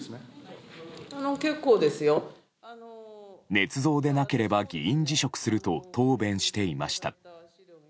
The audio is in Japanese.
ねつ造でなければ議員辞職すると答弁していました。